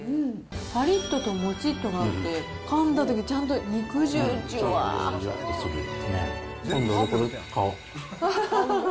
ぱりっとともちっとがあって、かんだとき、ちゃんと肉汁、じ今度、これ買おう。